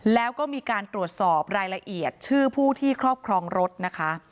แล้วก็มีการตรวจสอบรายละเอียดชื่อผู้ที่ครอบครองรถนะคะ